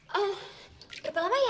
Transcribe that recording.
hmm berapa lama ya